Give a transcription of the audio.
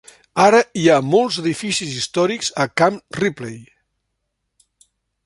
Ara i ha molts edificis històrics a Camp Ripley.